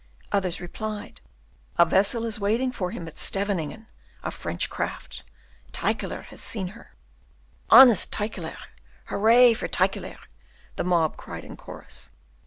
Others replied, "A vessel is waiting for him at Schevening, a French craft. Tyckelaer has seen her." "Honest Tyckelaer! Hurrah for Tyckelaer!" the mob cried in chorus.